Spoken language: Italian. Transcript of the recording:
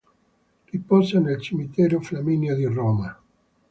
Riposa nel Cimitero Flaminio di Roma.